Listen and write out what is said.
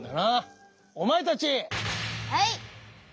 はい！